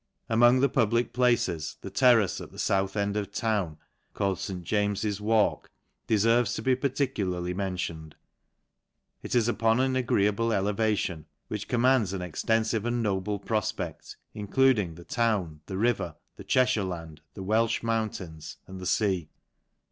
Among the public places, the terrace, at the buth end of the town, called St. James's Walk, de eives to be particularly mentioned. It is upon an .greeable elevation, which commands an extenfive tnd noble profpec~r, including the town, the river, he Che/hire land, the Welch mountains, and the fea.